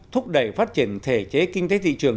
thúc đẩy phát triển thể chế kinh tế thị trường